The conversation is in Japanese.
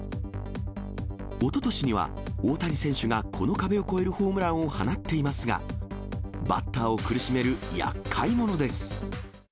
おととしには、大谷選手がこの壁を越えるホームランを放っていますが、バッターを苦しめるやっかい者です。